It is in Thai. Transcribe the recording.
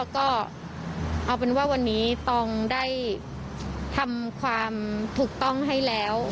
ก็เอาเป็นว่าวันนี้ตองได้ทำความถูกต้องให้แล้ว